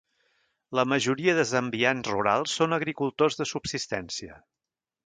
La majoria de Zambians rurals són agricultors de subsistència.